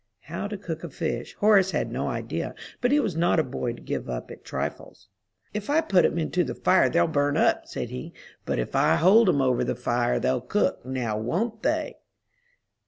How to cook a fish, Horace had no idea, but he was not a boy to give up at trifles. "If I put 'em into the fire they'll burn up," said he; "but if I hold 'em over the fire they'll cook; now won't they?"